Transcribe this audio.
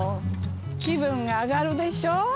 気分が上がるでしょう？